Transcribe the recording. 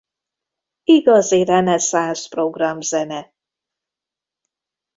Igazi reneszánsz programzene!